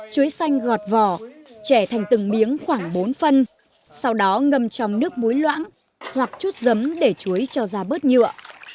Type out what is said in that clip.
chuối xanh gọt vỏ trẻ thành từng miếng khoảng bốn phân sau đó ngâm trong nước muối loãng hoặc chút giấm để chuối cho ra bớt nhựa